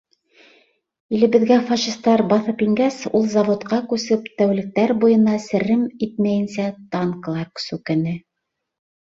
Илебеҙгә фашистәр баҫып ингәс, ул заводҡа күсеп, тәүлектәр буйына серем итмәйенсә, «танкылар сүкене».